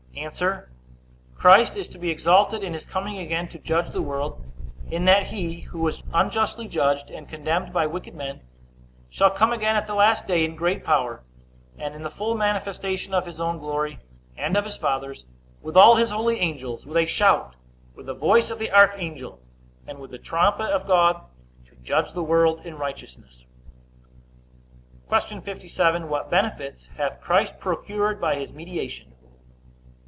A. Christ is to be exalted in his coming again to judge the world, in that he, who was unjustly judged and condemned by wicked men, shall come again at the last day in great power, and in the full manifestation of his own glory, and of his Father's, with all his holy angels, with a shout, with the voice of the archangel, and with the trumpet of God, to judge the world in righteousness. Q. 57. What benefits hath Christ procured by his mediation?